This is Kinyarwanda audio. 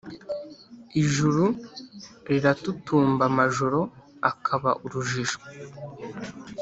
Ijuru riratutumba Amajoro akaba urujijo